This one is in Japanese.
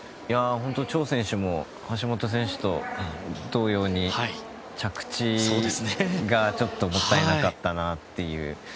チョウ選手も橋本選手と同様に着地が、ちょっともったいなかったなという。